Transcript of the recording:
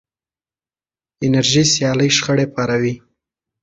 انرژي سیالۍ شخړې پاروي.